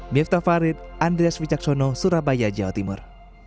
mieftah farid andreas wijaksono surabaya jawa timur